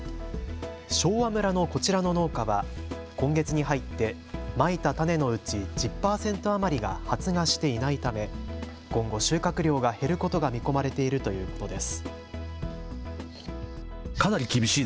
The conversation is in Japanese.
昭和村のこちらの農家は今月に入ってまいた種のうち１０％余りが発芽していないため今後、収穫量が減ることが見込まれているということです。